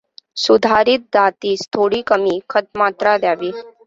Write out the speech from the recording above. सुधारित जातीस थोडी कमी खतमात्रा द्यावी.